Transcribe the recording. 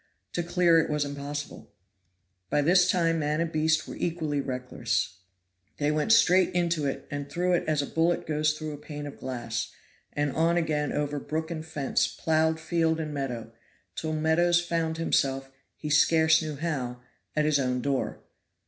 To clear it was impossible. By this time man and beast were equally reckless; they went straight into it and through it as a bullet goes through a pane of glass; and on again over brook and fence, plowed field and meadow, till Meadows found himself, he scarce knew how, at his own door.